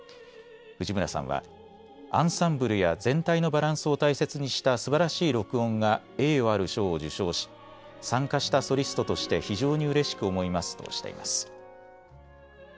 藤村さんはアンサンブルや全体のバランスを大切にしたすばらしい録音が栄誉ある賞を受賞し参加したソリストとして非常にうれしく思いますとしています。